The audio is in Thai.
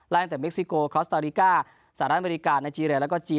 และยังแต่เม็กซิโกครอสเตอริกาสหรัฐอเมริกานาจีเรและก็จีน